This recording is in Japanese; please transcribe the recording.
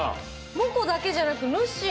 モコだけじゃなくてぬっしーも！